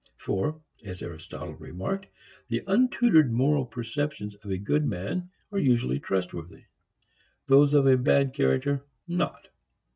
For, as Aristotle remarked, the untutored moral perceptions of a good man are usually trustworthy, those of a bad character, not.